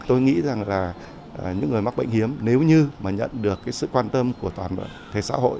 tôi nghĩ rằng là những người mắc bệnh hiếm nếu như mà nhận được cái sự quan tâm của toàn bộ thế xã hội